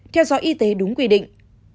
theo dõi y tế đúng quy định